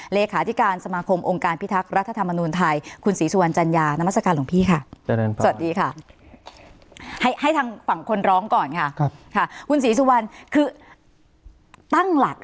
เลขาธิการสมาคมองค์การพิทักษ์รัฐธรรมนุนไทยคุณศรีสุวรรณจัญญานามสการหลวงพี่ค่ะสวัสดีค่ะให้ทางฝั่งคนร้องก่อนค่ะคุณศรีสุวรรณคือตั้งหลัก